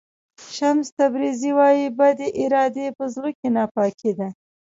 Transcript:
شمس تبریزي وایي بدې ارادې په زړه کې ناپاکي ده.